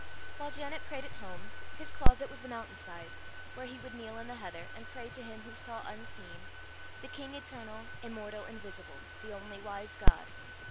While Janet prayed at home, his closet was the mountain side, where he would kneel in the heather, and pray to Him who saw unseen, the King eternal, immortal, invisible, the only wise God.